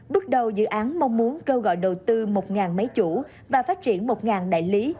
bước đầu dự án mong muốn kêu gọi đầu tư một máy chủ và phát triển một đại lý